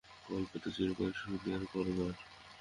কল্পে তো চিরকাল সুদের কারবার!